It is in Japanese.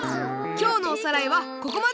きょうのおさらいはここまで。